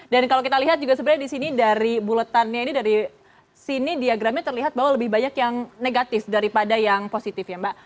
dan kalau kita lihat juga sebenarnya di sini dari buletannya ini dari sini diagramnya terlihat bahwa lebih banyak yang negatif daripada yang positif ya mbak